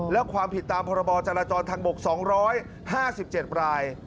และความผิดตามพรบจราจรทางบก๒๕๗ราย